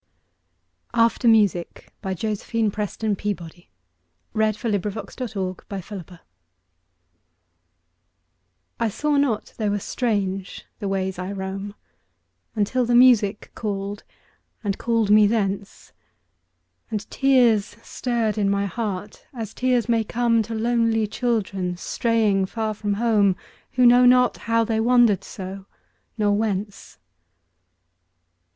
87–1900. 1900. By Josephine PrestonPeabody 1671 After Music I SAW not they were strange, the ways I roam, Until the music called, and called me thence, And tears stirred in my heart as tears may comeTo lonely children straying far from home, Who know not how they wandered so, nor whence.